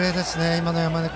今の山根君。